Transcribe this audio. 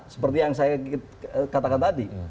seperti yang saya katakan tadi